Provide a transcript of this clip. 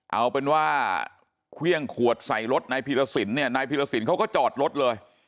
เอาเป็นว่าเครื่องขวดใส่รถนายพีรสินเนี่ยนายพีรสินเขาก็จอดรถเลย